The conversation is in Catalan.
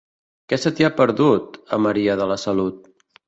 Què se t'hi ha perdut, a Maria de la Salut?